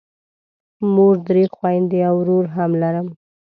مور، درې خویندې او ورور هم لرم.